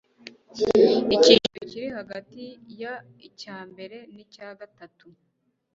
icyiciro kiri hagati ya icyambere na icyagatatu